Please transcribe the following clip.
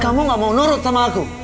kamu gak mau nurut sama aku